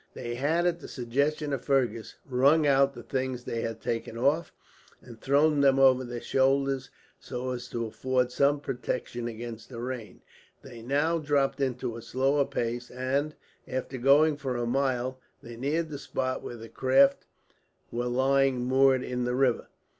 They had, at the suggestion of Fergus, wrung out the things they had taken off; and thrown them over their shoulders, so as to afford some protection against the rain. They now dropped into a slower pace and, after going for a mile, they neared the spot where the craft were lying moored in the river.